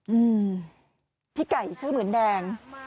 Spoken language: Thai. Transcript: อืมพี่ไก่ชื่อเหมือนแดง